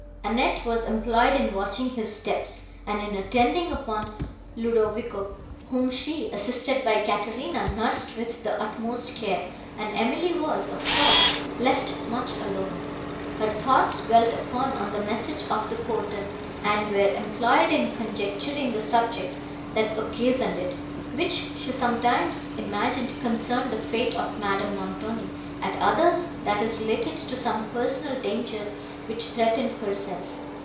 Annette was employed in watching his steps, and in attending upon Ludovico, whom she, assisted by Caterina, nursed with the utmost care; and Emily was, of course, left much alone. Her thoughts dwelt often on the message of the porter, and were employed in conjecturing the subject, that occasioned it, which she sometimes imagined concerned the fate of Madame Montoni; at others, that it related to some personal danger, which threatened herself.